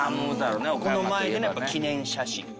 この前でやっぱ記念写真。